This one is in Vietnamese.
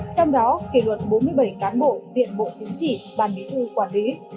trong đó kỷ luật bốn mươi bảy cán bộ diện bộ chính trị ban bí thư quản lý